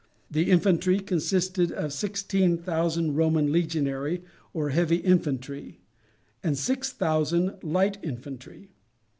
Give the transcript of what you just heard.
The infantry consisted of sixteen thousand Roman legionary or heavy infantry, and six thousand light infantry.